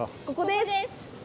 ここです！